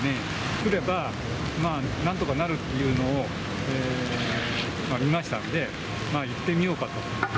来れば、なんとかなるっていうのを見ましたので、行ってみようかと。